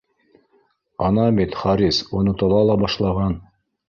Ана бит, Харис, онотола ла башлаған